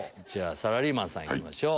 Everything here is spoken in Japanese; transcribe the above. サラリーマンさん行きましょう。